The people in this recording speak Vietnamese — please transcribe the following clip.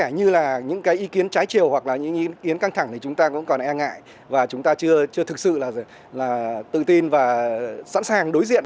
những ý kiến trái trều hoặc là những ý kiến căng thẳng thì chúng ta cũng còn e ngại và chúng ta chưa thực sự là tự tin và sẵn sàng đối diện